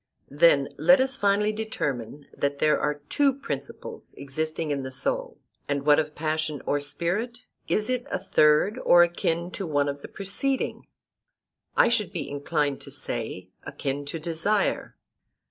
Then let us finally determine that there are two principles existing in the soul. And what of passion, or spirit? Is it a third, or akin to one of the preceding? I should be inclined to say—akin to desire.